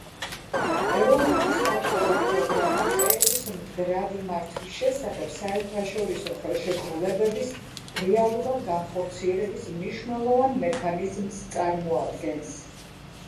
ეროვნული სატყეო პროგრამა ტყეების მდგრადი მართვის შესახებ საერთაშორისო ხელშეკრულებების რეალურად განხორციელების მნიშვნელოვან მექანიზმს წარმოადგენს.